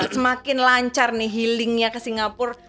semakin lancar nih healingnya ke singapura